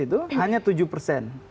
itu hanya tujuh persen